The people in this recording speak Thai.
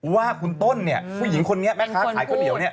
ว่าคุณต้นเนี่ยผู้หญิงคนนี้แม่ค้าขายข้าวเหนียวเนี่ย